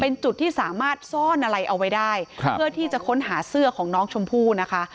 เป็นจุดที่สามารถซ่อนอะไรเอาไว้ได้เพื่อที่จะค้นหาเสื้อของน้องชมพู่นะคะ